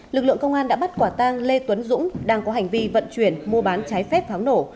lực lượng công an đã bắt quả tang lê tuấn dũng đang có hành vi vận chuyển mua bán trái phép pháo nổ